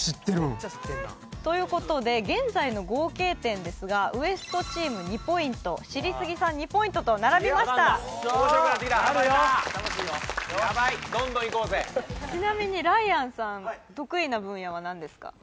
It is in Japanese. ・めっちゃ知ってんなということで現在の合計点ですがＷＥＳＴチーム２ポイント知りスギさん２ポイントと並びました面白くなってきた・やばい・どんどんいこうぜちなみにライアンさん得意な分野は何ですか？